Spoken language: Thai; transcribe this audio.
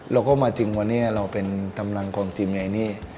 เราก็มาจริงว่าเราเป็นทำนังคนทีมอันนี้